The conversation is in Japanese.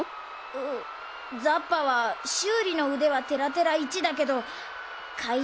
うぅザッパはしゅうりのうではテラテラいちだけどかい